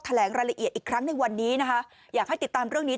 แหลงรายละเอียดอีกครั้งในวันนี้นะคะอยากให้ติดตามเรื่องนี้